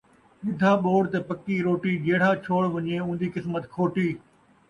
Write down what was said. ردھا ٻوڑ تے پکی روٹی ، جیڑھا چھوڑ ون٘ڄے اون٘دی قسمت کھوٹی